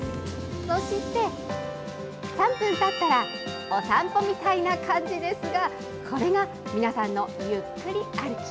そして、３分たったら、お散歩みたいな感じですが、これが皆さんのゆっくり歩き。